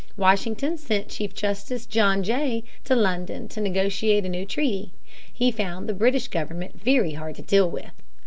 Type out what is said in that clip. Washington sent Chief Justice John Jay to London to negotiate a new treaty. He found the British government very hard to deal with.